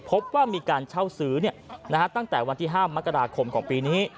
พบว่ามีการเช่าซื้อตั้งแต่วันที่๕มกราคมของปีนี้